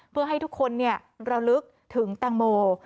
เพื่อให้ทุกคนระลึกถึงแตงโม